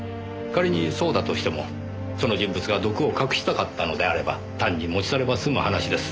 仮にそうだとしてもその人物が毒を隠したかったのであれば単に持ち去れば済む話です。